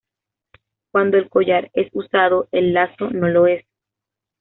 Cuando el collar es usado el lazo no lo es.